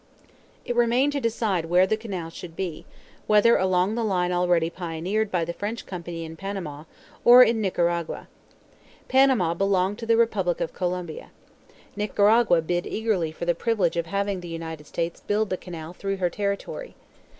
It remained to decide where the canal should be, whether along the line already pioneered by the French company in Panama, or in Nicaragua. Panama belonged to the Republic of Colombia. Nicaragua bid eagerly for the privilege of having the United States build the canal through her territory.